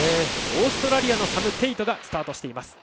オーストラリアのサム・テイトがスタート。